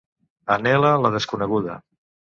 Anhela la desconeguda.